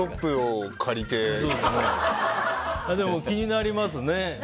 でも気になりますね。